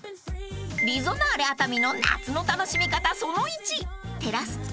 ［リゾナーレ熱海の夏の楽しみ方